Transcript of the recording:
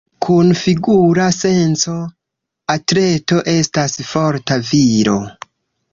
Kun figura senco, atleto estas forta viro.